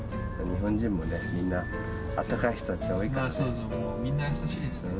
日本人もね、みんな、あったかい人たちが多いからね。